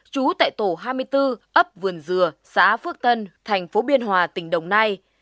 trú tại tổ hai mươi bốn ấp vườn dừa xã phước tân thành phố biên hòa tỉnh đồng nai